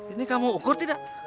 ini kamu ukur tidak